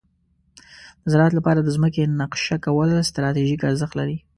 د زراعت لپاره د ځمکې نقشه کول ستراتیژیک ارزښت لري.